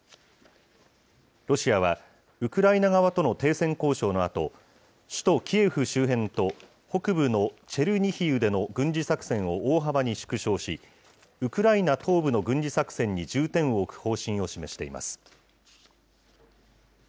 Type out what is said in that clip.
ロシアは、ウクライナ側との停戦交渉のあと、首都キエフ周辺と、北部のチェルニヒウでの軍事作戦を大幅に縮小し、ウクライナ東部の軍事作戦に重点を置く方針を示しています。